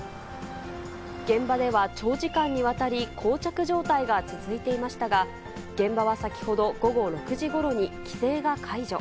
現場では長時間にわたり、こう着状態が続いていましたが、現場は先ほど午後６時ごろに規制が解除。